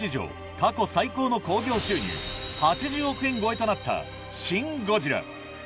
過去最高の興行収入８０億円超えとなった『シン・ゴジラ』